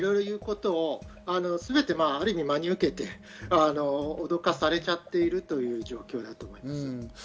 ロシアが言うことを全てある意味、真に受けておどかされちゃっているという状況だと思います。